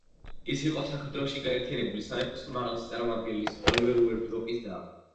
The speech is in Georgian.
ის იყო საქართველოში გაერთიანებული სამეფოს უმაღლესი წარმომადგენლის, ოლივერ უორდროპის და.